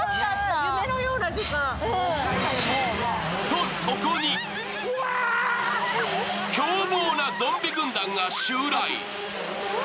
と、そこに凶暴なゾンビ軍団が襲来。